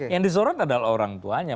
yang disorot adalah orang tuanya